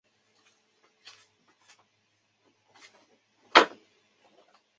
丰臣军一路降伏北条支城。